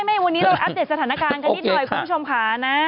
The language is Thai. ไม่วันนี้เราอัดเดตสถานการณ์กันด้วยคุณผู้ชมค่ะนะ